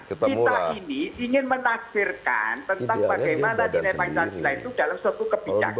kita ini ingin menaksirkan tentang bagaimana dinilai ninilai itu dalam suatu kebijakan